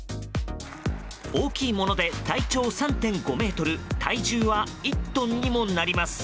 大きいもので体長３．５ｍ体重は１トンにもなります。